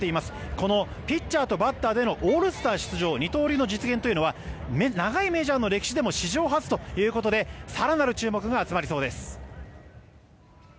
このピッチャーとバッターでのオールスター出場二刀流の実現というのは長いメジャーの歴史でも史上初ということで更なる注目が集まりそうです。